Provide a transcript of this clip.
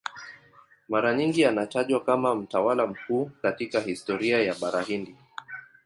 Mara nyingi anatajwa kama mtawala mkuu katika historia ya Bara Hindi.